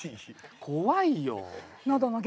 怖いよ。